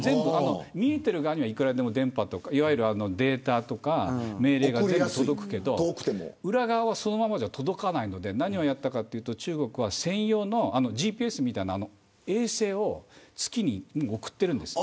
見えている側にはいくらでもいわゆるデータや命令が届くけど裏側はそのままでは届かないので何をやったかというと中国は専用のＧＰＳみたいな衛星を月に送っているんです。